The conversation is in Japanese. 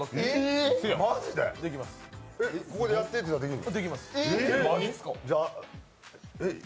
ここでやってって言ったらできるの？